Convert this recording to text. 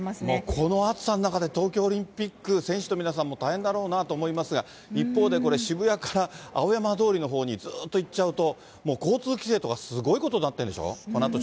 この暑さの中で東京オリンピック、選手の皆さんも大変だろうなと思いますが、一方でこれ、渋谷から青山通りのほうにずーっと行っちゃうと、もう交通規制とかすごいことになってるんでしょ。